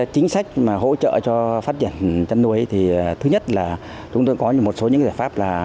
chính sách mà hỗ trợ cho phát triển chăn nuôi thì thứ nhất là chúng tôi có một số những giải pháp là